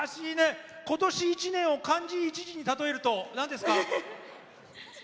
今年１年を漢字１字に例えるとなんですか？